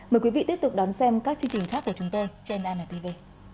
mời quý vị tiếp tục đón xem các chương trình khác của chúng tôi trên antv